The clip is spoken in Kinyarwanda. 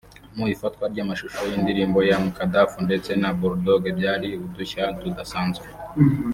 Mu ifatwa ry’amashusho y’ indirimbo ya Mukadaff ndetse na Bul Dog byari udushya tudasanzwe